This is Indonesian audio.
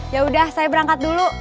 ya udah saya berangkat dulu